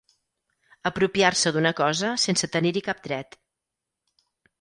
Apropiar-se d'una cosa sense tenir-hi cap dret.